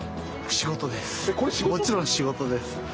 もちろん仕事です。